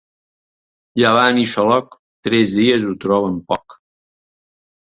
Llevant i xaloc, tres dies ho troben poc.